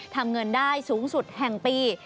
ทำเงินได้สูงสุดแห่งปี